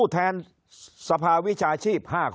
คนในวงการสื่อ๓๐องค์กร